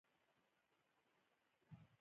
د سوځیدو لپاره کوم جیل وکاروم؟